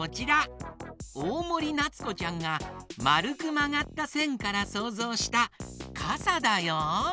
おおもりなつこちゃんが「まるくまがったせん」からそうぞうしたかさだよ！